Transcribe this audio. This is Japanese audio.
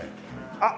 あっ！